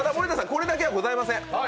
これだけではございません